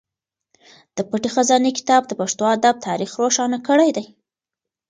د پټې خزانې کتاب د پښتو ادب تاریخ روښانه کړی دی.